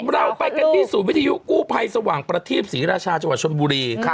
เราไปกันที่ศูนย์วิทยุกู้ภัยสว่างประทีปศรีราชาจังหวัดชนบุรี